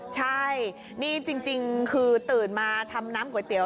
ใช่นี่จริงคือตื่นมาทำน้ำก๋วยเตี๋ย